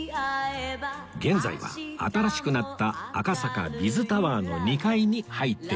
現在は新しくなった赤坂 Ｂｉｚ タワーの２階に入っています